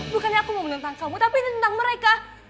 bukannya aku mau menentang kamu tapi menentang mereka